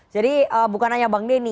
jadi bukan hanya bang deni